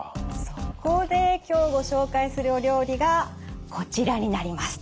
そこで今日ご紹介するお料理がこちらになります。